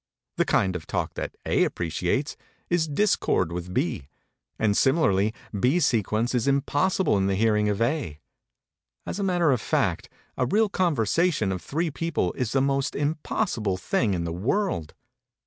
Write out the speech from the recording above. The kind of talk that A appreciates is a discord with B, and similarly B's sequence is impossible in the hearing of A. As a matter of fact, a real conversation of three people is the most impossible thing in the world.